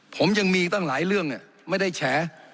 ผมยังมีตั้งหลายเรื่องไม่ได้แฉ